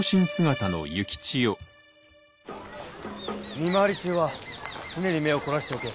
見回り中には常に目を凝らしておけ。